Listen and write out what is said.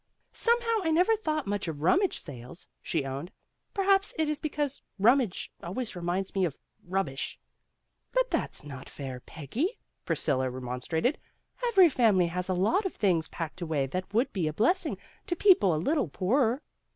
" Some how I never thought much of rummage sales," she owned. "Perhaps it is because rummage always reminds me of rubbish." 1 'But that's not fair, Peggy," Priscilla re THE RUMMAGE SALE 71 monstrated. " Every family has a lot of things packed away that would be a blessing to people a little poorer."